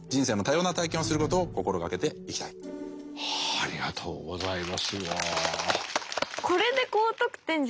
ありがとうございます。